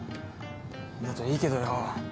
だといいけどよ。